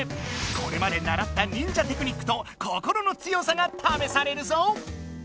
これまでならった忍者テクニックと心の強さがためされるぞ！